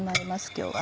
今日は。